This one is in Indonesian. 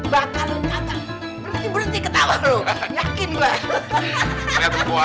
berarti ketawa lu yakin gua